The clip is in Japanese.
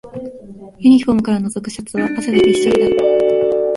ユニフォームからのぞくシャツは汗でびっしょりだ